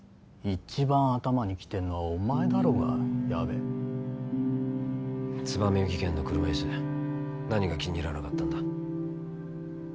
一番頭にきてんのはお前だろうが矢部ツバメ技研の車いす何が気に入らなかったんだ